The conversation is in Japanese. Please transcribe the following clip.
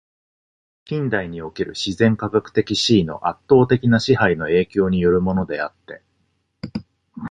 近代における自然科学的思惟の圧倒的な支配の影響に依るものであって、